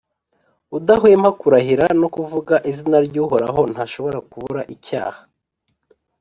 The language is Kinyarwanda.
udahwema kurahira no kuvuga izina ry’Uhorahontashobora kubura icyaha.